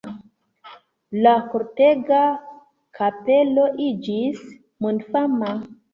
La Kortega kapelo iĝis mondfama.